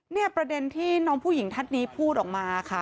เนี่ยประเด็นที่น้องผู้หญิงท่านนี้พูดออกมาค่ะ